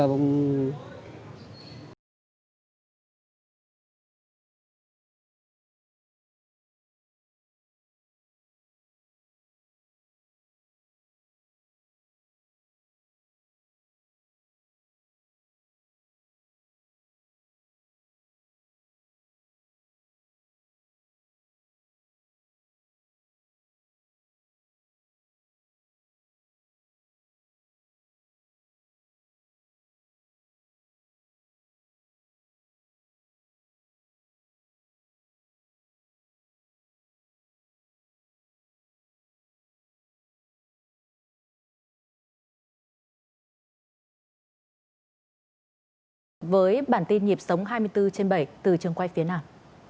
với bản tin nhịp sống hai mươi bốn trên bảy từ trường quay phía nào